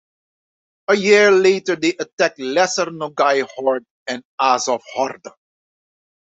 A year later they attacked Lesser Nogai Horde and Azov Horde.